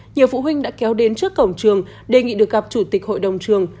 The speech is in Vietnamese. nhiều phụ huynh đã kéo đến trước cổng trường đề nghị được gặp chủ tịch hội đồng trường